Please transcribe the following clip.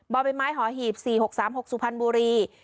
บอบเป็นไม้หอหีบสี่หกสามหกสุพรรณบุรี